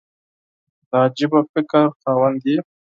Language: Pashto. د عجبه فکر خاوند یې !